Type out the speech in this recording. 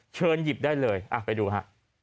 เชิญหยิบได้เลยไปดูฮะ